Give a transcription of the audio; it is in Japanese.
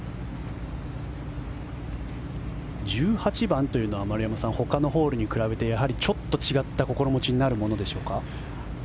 １８番というのは丸山さんほかのホールと比べてやはりちょっと違った心持ちになるものでしょうか。